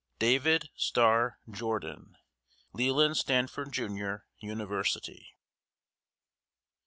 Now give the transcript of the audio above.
DAVID STARR JORDAN. Leland Stanford, Jr., University.